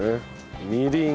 みりん。